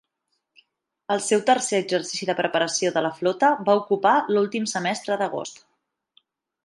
El seu tercer exercici de preparació de la flota va ocupar l'últim semestre d'agost.